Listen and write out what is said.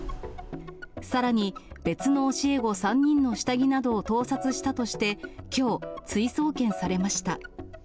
さらに、別の教え子３人の下着などを盗撮したとして、きょう、追送検されました。